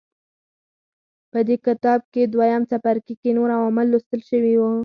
په دې کتاب دویم څپرکي کې نور عوامل لوستل شوي وو.